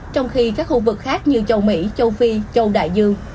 trong khi các khu vực khác như châu mỹ châu phi châu đại dương